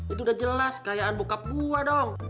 itu udah jelas kayaan bokap gue dong